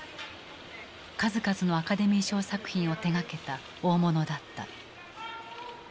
数々のアカデミー賞作品を手がけた大物だった。